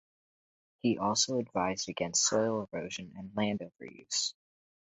He also advised against soil erosion and land overuse.